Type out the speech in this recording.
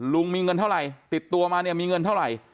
ลุงมีเงินเท่าไหร่ติดตัวมาเนี่ยมีเงินเท่าไหร่